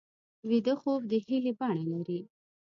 ویده خوب د هیلې بڼه لري